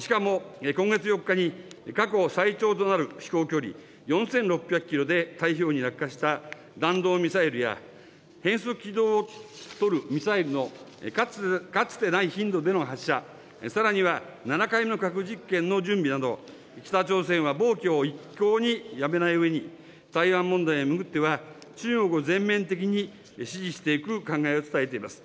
しかも今月４日に、過去最長となる飛行距離、４６００キロで太平洋に落下した弾道ミサイルや、変則軌道を取るミサイルのかつてない頻度での発射、さらには７回目の核実験の準備など、北朝鮮は暴挙を一向にやめないうえに、台湾問題を巡っては中国を全面的に支持していく考えを伝えています。